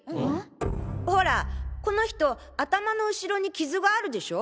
ホラこの人頭の後ろに傷があるでしょ？